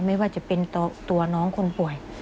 ไม่ว่าจะเป็นตัวน้องคนป่วย